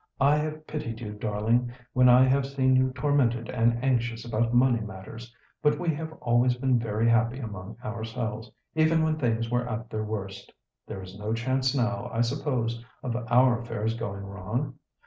"I have pitied you, darling, when I have seen you tormented and anxious about money matters, but we have always been very happy among ourselves, even when things were at their worst. There is no chance now, I suppose, of our affairs going wrong?